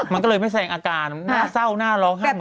มันก็เลยไม่แสงอาการหน้าเศร้าหน้าร้องห้ามเหมือนกัน